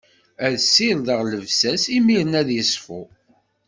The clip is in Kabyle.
Ad issired llebsa-s, imiren ad iṣfu.